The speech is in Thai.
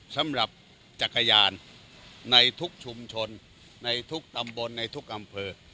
สำหรับจักรยานในทุกชุมชนในทุกตำบลในทุกอำเภอ